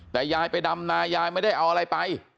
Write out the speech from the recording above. แต่ยายไปดำนายายไม่ได้เอาอะไรไป